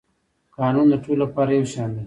قانون د ټولو لپاره یو شان دی